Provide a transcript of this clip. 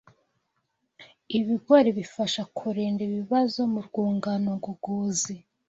Ibigori bifasha kurinda ibibazo mu rwungano ngogozi